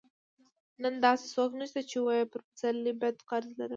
نن داسې څوک نشته چې ووايي پر پسرلي بد قرض لرم.